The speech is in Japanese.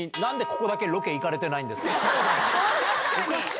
確かに。